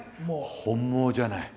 本望じゃない？